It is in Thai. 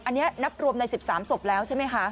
อันนี้นับรวมใน๑๓ศพแล้วใช่ไหมคะ